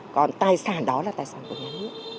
còn tài sản đó là tài sản của nhà nước